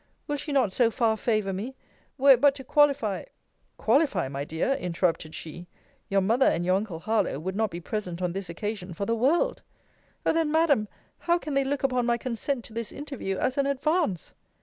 Will she not so far favour me? Were it but to qualify Qualify, my dear, interrupted she your mother, and your uncle Harlowe would not be present on this occasion for the world O then, Madam, how can they look upon my consent to this interview as an advance?